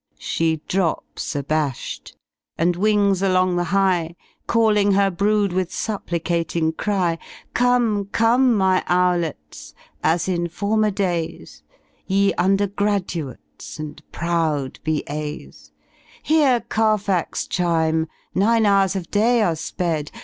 She drops abash^dy and wings along The Highy Calling her brood with supplicating cry: — ''''Comey comey my Owlets y as m former days, Te Undergraduates and proud B. A.'* s; Hear Carfax chime y nine hours of day are sped!